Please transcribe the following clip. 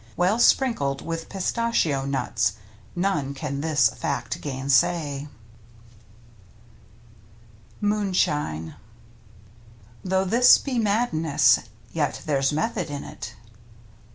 Well sprinkled with pistachio nuts — None can this fact gainsay. L " MOONSHINE " Though this be madness, yet there's method in it.